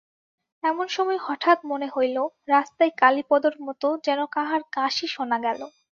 এমন সময় হঠাৎ মনে হইল, রাস্তায় কালীপদর মতো যেন কাহার কাশি শোনা গেল।